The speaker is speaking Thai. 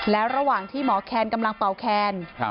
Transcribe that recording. แล้วระหว่างที่หมอแคนกำลังเป่าแคน